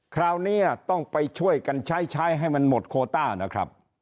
คราวนี้ต้องไปช่วยกันใช้ใช้ให้มันหมดโคต้านะครับ